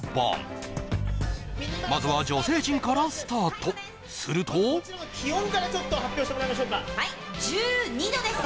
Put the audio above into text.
まずは女性陣からスタートすると気温からちょっと発表してもらいましょうかはい１２度です